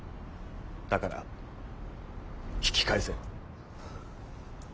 だから引き返せ。